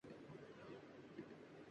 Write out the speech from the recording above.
احکام ترے حق ہیں مگر اپنے مفسر